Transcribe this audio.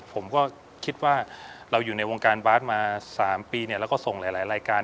ผมก็คิดว่าเราอยู่ในวงการบาสมา๓ปีแล้วก็ส่งหลายรายการ